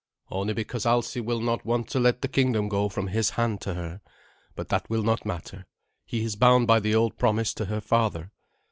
"Only because Alsi will not want to let the kingdom go from his hand to her. But that will not matter. He is bound by the old promise to her father."